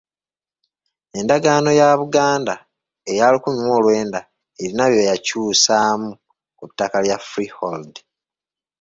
Endagaano ya Buganda eya lukumi mu lwenda erina bye yakyusaamu ku ttaka lya freehold.